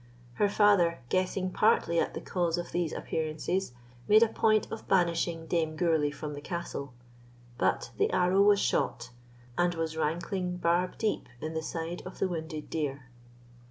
Her father, guessing partly at the cause of these appearances, made a point of banishing Dame Gourlay from the castle; but the arrow was shot, and was rankling barb deep in the side of the wounded deer.